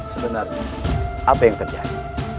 sebenarnya apa yang terjadi